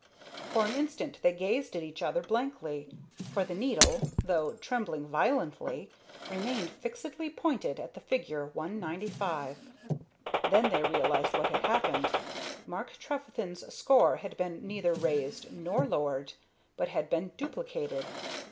For an instant they gazed at each other blankly, for the needle, though trembling violently, remained fixedly pointing at the figure 195. Then they realized what had happened. Mark Trefethen's score had been neither raised nor lowered, but had been duplicated.